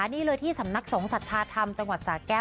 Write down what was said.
นี่เลยที่สำนักสงฆ์สัทธาธรรมจังหวัดสาแก้ว